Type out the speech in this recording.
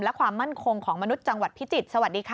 และความมั่นคงของมนุษย์จังหวัดพิจิตรสวัสดีค่ะ